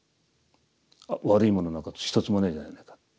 悪いものなんか一つもないじゃないか。